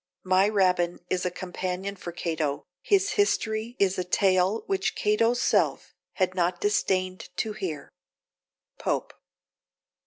My Rabbin is a companion for Cato. His history is a tale Which Cato's self had not disdained to hear. POPE.